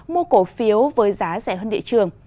mua cổ phiếu với giá rẻ hơn địa trường